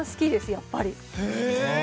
やっぱり。